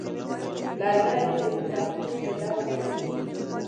لرګی د تختو په ډول پرې کېږي.